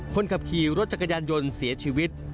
คนขับขี่รถจักรยานยนต์เสียชีวิต